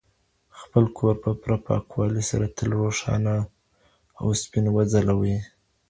خپل کور په پوره پاکوالي سره تل روښانه او سپین وځلوئ.